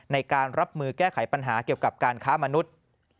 ในการรับมือแก้ไขปัญหาเกี่ยวกับการค้ามนุษย์